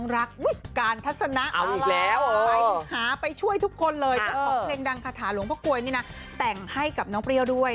ฤายฝีปฏิบัติ